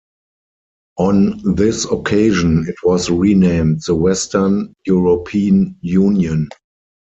On this occasion it was renamed the Western European Union.